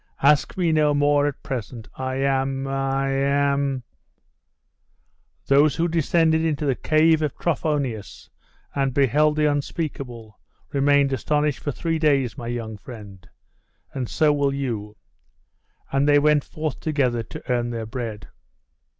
Ask me no more at present. I am I am 'Those who descended into the Cave of Trophonius, and beheld the unspeakable, remained astonished for three days, my young friend and so will you!' And they went forth together to earn their bread.